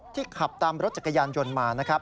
ขับตามรถจักรยานยนต์มานะครับ